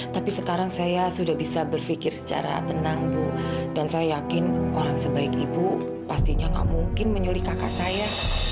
tapi sekarang saya sudah bisa berpikir secara tenang bu dan saya yakin orang sebaik ibu pastinya gak mungkin menyuli kakak saya